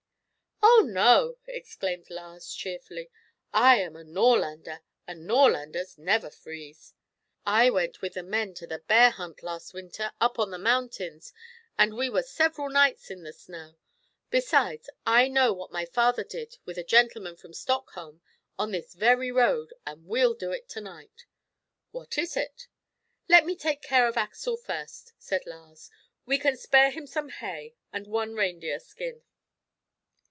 "Oh, no!" exclaimed Lars cheerfully. "I am a Norrlander, and Norrlanders never freeze. I went with the men to the bear hunt last winter, up on the mountains, and we were several nights in the snow. Besides, I know what my father did with a gentleman from Stockholm on this very road, and we'll do it to night." "What was it?" "Let me take care of Axel first," said Lars. "We can spare him some hay and one reindeer skin."